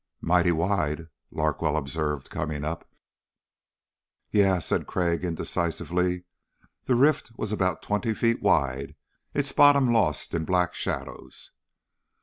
"Mighty wide," Larkwell observed, coming up. "Yeah," said Crag, indecisively. The rift was about twenty feet wide, its bottom lost in black shadows.